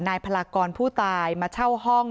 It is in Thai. พลากรผู้ตายมาเช่าห้อง